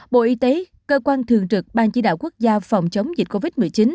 bộ y tế cơ quan thường trực ban chỉ đạo quốc gia phòng chống dịch covid một mươi chín